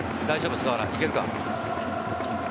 菅原いけるか？